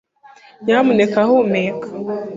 Nyamuneka humeka.